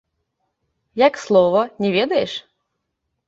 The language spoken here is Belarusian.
Як слова, не ведаеш?